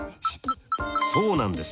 そうなんです。